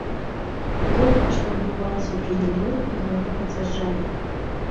І тое, што адбывалася ў другім туры, гэта пацвярджае.